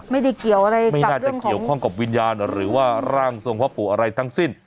ไม่ได้เกี่ยวอะไรไม่น่าจะเกี่ยวข้องกับวิญญาณหรือว่าร่างทรงพ่อปู่อะไรทั้งสิ้น